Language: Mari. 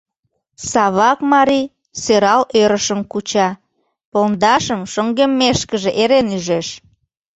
Савак марий сӧрал ӧрышым куча, пондашым шоҥгеммешкыже эре нӱжеш.